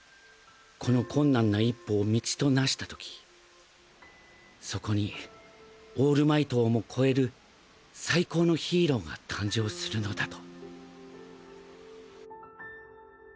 この困難な一歩を道と成した時そこにオールマイトをも超える最高のヒーローが誕生するのだと